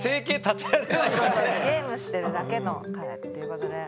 ゲームしてるだけの彼っていうことで。